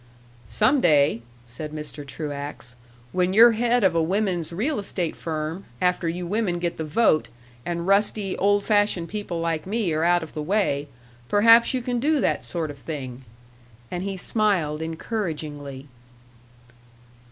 "Some day," said Mr. Truax, "when you're head of a women's real estate firm, after you women get the vote, and rusty, old fashioned people like me are out of the way, perhaps you can do that sort of thing." And he smiled encouragingly.